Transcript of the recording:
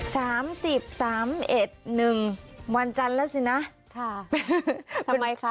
สามสิบสามเอ็ดหนึ่งวันจันทร์แล้วสินะค่ะทำไมคะ